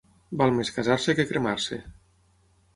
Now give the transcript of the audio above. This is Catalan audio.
Val més casar-se que cremar-se.